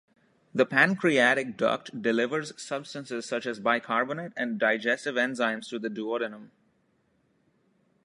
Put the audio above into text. The pancreatic duct delivers substances such as bicarbonate and digestive enzymes to the duodenum.